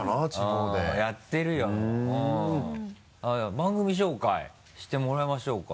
番組紹介してもらいましょうか。